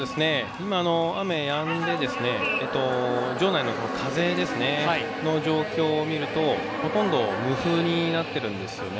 今、雨がやんで場内の風の状況を見るとほとんど無風になっているんです。